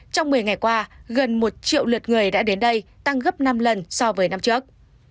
trong một mươi ngày qua gần một triệu lượt người đã đến đây tăng gấp năm lần so với năm trước